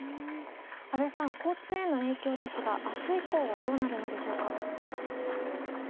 安部さん、交通への影響ですが明日以降はどうなるのでしょうか？